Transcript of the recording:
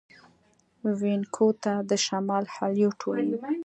وینکوور ته د شمال هالیوډ وايي.